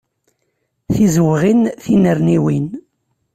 Tizewɣin, tinerniwin.